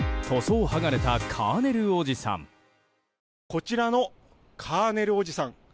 こちらのカーネルおじさん